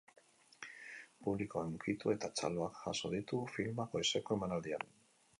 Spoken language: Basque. Publikoa hunkitu eta txaloak jaso ditu filmak goizeko emanaldian.